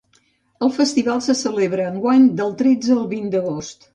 El festival se celebra enguany del tretze al vint d’agost.